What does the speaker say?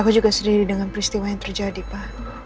aku juga sendiri dengan peristiwa yang terjadi pa